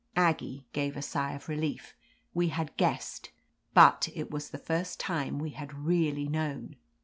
" Aggie gave a sigh of relief ; we had guessed, but it was the first time we had really known.